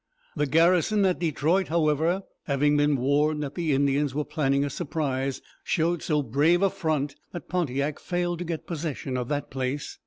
The garrison at De troit´, however, having been warned that the Indians were planning a surprise, showed so brave a front that Pontiac failed to get possession of that place.